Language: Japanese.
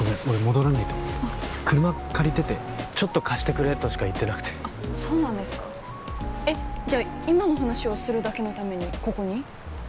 俺戻らないと車借りててちょっと貸してくれとしか言ってなくてあっそうなんですかえっじゃあ今の話をするだけのためにここに？